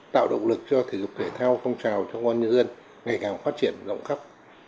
tạo động lực cho thể dục thể thao phong trào trong công an nhân dân ngày càng phát triển rộng khắp